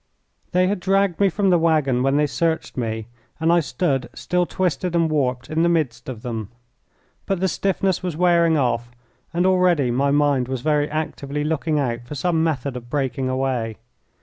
They had dragged me from the waggon when they searched me, and I stood, still twisted and warped, in the midst of them. But the stiffness was wearing off, and already my mind was very actively looking out for some method of breaking away.